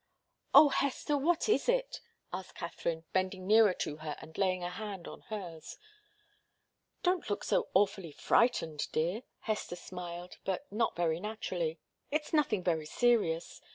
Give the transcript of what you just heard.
"Oh, Hester, what is it?" asked Katharine, bending nearer to her and laying a hand on hers. "Don't look so awfully frightened, dear!" Hester smiled, but not very naturally. "It's nothing very serious.